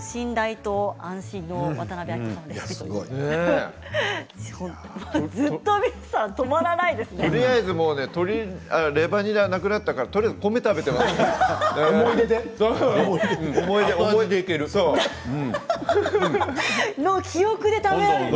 とりあえずレバニラなくなったから、米を思い出で。